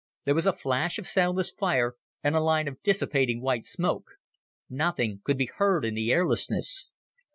There was a flash of soundless fire and a line of dissipating white smoke. Nothing could be heard in the airlessness.